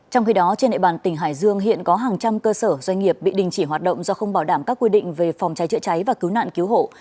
trong khi đó trên nệ bàn tỉnh hải dương hiện có hàng trăm cơ sở doanh nghiệp bị đình chỉ hoạt động do không bảo đảm các quy định về phòng cháy chữa cháy và cứu nạn cứu hộ